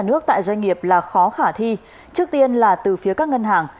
bước tại doanh nghiệp là khó khả thi trước tiên là từ phía các ngân hàng